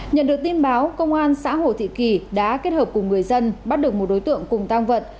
nhận được tin báo công an xã hồ thị kỳ đã kết hợp cùng người dân bắt được một đối tượng cùng tăng vật